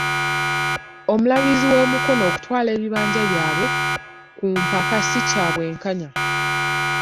Obulabirizi bw'e Mukono okutwala ebibanja byabwe ku mpaka, ssi kya bwenkanya.